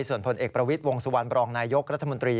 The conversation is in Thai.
ส่วนพลเอกประวิทย์วงสุวรรณบรองนายยกรัฐมนตรี